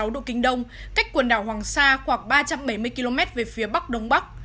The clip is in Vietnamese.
một trăm một mươi ba sáu độ kinh đông cách quần đảo hoàng sa khoảng ba trăm bảy mươi km về phía bắc đông bắc